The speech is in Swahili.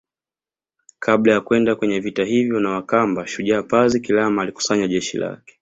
Kabla ya kwenda kwenye vita hivyo na wakamba Shujaa Pazi Kilama alikusanya jeshi lake